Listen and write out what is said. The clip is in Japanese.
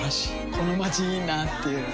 このまちいいなぁっていう